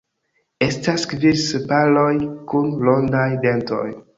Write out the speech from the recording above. Estas kvin sepaloj kun rondaj dentoj.